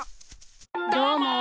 どうも！